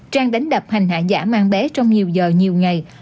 trang đánh đập hành hạ giả giả mang bé trong nhiều giờ nhiều ngày